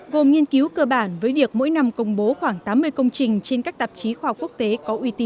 gồm nghiên cứu cơ bản với việc mỗi năm công bố khoảng tám mươi công trình trên các tạp chí khoa học quốc tế có uy tín